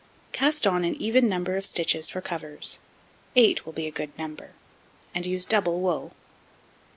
Cast on an even number of stitches for covers, 8 will be a good number, and use double wool.